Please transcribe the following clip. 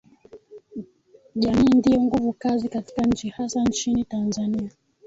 jamii ndiyo nguvu kazi katika nchi hasa nchini Tanzania